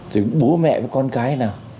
rồi bố mẹ với con cái như thế nào